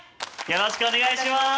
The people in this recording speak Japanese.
よろしくお願いします。